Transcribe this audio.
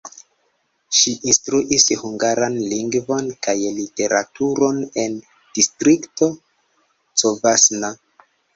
Ŝi instruis hungaran lingvon kaj literaturon en Distrikto Covasna.